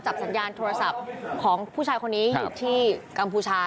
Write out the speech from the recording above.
สัญญาณโทรศัพท์ของผู้ชายคนนี้อยู่ที่กัมพูชา